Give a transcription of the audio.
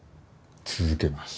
続けます。